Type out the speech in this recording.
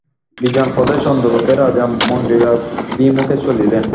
বিজন পথে চন্দ্রালোকে রাজা মন্দিরাভিমুখে চলিলেন।